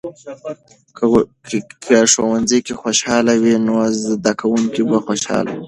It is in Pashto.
که ښوونځۍ کې خوشحالي وي، نو زده کوونکي به خوشحاله وي.